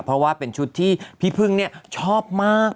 เพราะว่าเป็นชุดที่พี่พึ่งชอบมาก